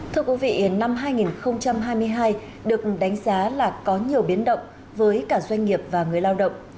thưa quý vị năm hai nghìn hai mươi hai được đánh giá là có nhiều biến động với cả doanh nghiệp và người lao động